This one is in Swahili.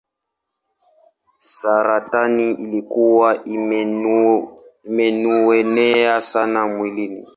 Saratani ilikuwa imemuenea sana mwilini.